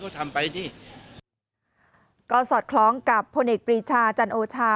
ก็ทำไปสิก็สอดคล้องกับพลเอกปรีชาจันโอชา